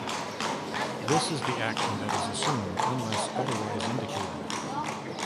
This is the action that is assumed unless otherwise indicated.